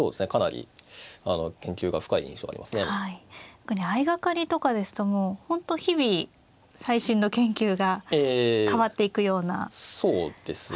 特に相掛かりとかですともう本当日々最新の研究が変わっていくような激しい変化もありますよね。